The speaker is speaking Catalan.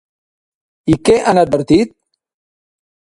I què han advertit?